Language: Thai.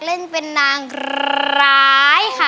น้องไมโครโฟนจากทีมมังกรจิ๋วเจ้าพญา